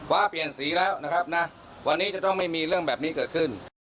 เปลี่ยนสีแล้วนะครับนะวันนี้จะต้องไม่มีเรื่องแบบนี้เกิดขึ้น